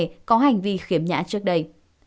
về những hành vi khiếm nhã trước đây